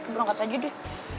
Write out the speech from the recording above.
berangkat aja deh